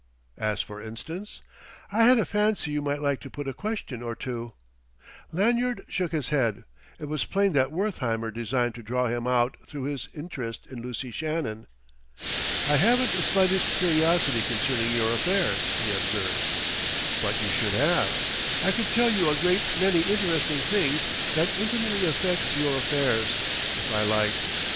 "As for instance ?" "I had a fancy you might like to put a question or two." Lanyard shook his head; it was plain that Wertheimer designed to draw him out through his interest in Lucy Shannon. "I haven't the slightest curiosity concerning your affairs," he observed. "But you should have; I could tell you a great many interesting things that intimately affect your affairs, if I liked.